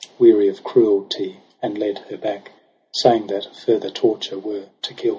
Weary of cruelty, and led her back. Saying that further torture were to kUl.